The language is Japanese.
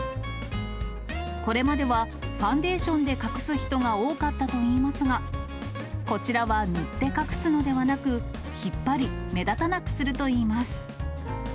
これまでは、ファンデーションで隠す人が多かったといいますが、こちらは塗って隠すのではなく、引っ張り、目立たなくするといいます。